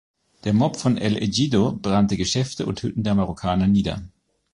Der Mob von El Ejido brannte Geschäfte und Hütten der Marokkaner nieder.